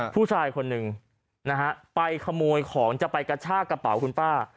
ผู้ชายคนหนึ่งนะฮะไปขโมยของจะไปกระชากกระเป๋าคุณป้า